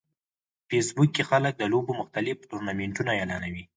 په فېسبوک کې خلک د لوبو مختلف ټورنمنټونه اعلانوي